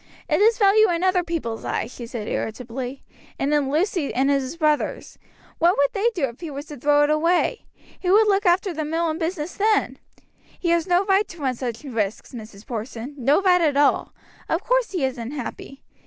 'It has value in other people's eyes,' she said irritably, 'in Lucy's and in his brother's. What would they do if he was to throw it away? Who would look after the mill and business then? He has no right to run such risks, Mrs. Porson, no right at all. Of course he is unhappy.